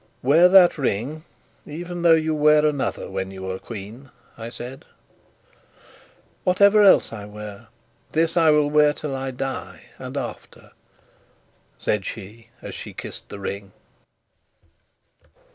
"Wear that ring, even though you wear another when you are queen," I said. "Whatever else I wear, this I will wear till I die and after," said she, as she kissed the ring.